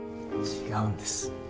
違うんです。